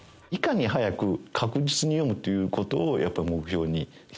いかに速く、確実に読むっていうことを、やっぱ目標に。